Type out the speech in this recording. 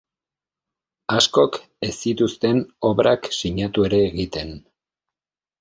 Askok ez zituzten obrak sinatu ere egiten.